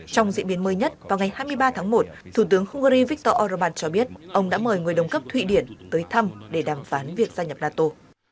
trong diễn biến mới nhất vào ngày hai mươi ba tháng một thủ tướng hungary viktor orbán cho biết ông đã mời người đồng cấp thụy điển tới thăm để đàm phán việc gia nhập nato